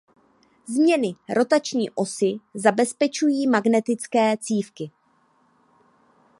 Změny rotační osy zabezpečují magnetické cívky.